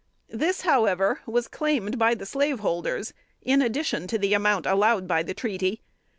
This, however, was claimed by the slaveholders, in addition to the amount allowed by the treaty.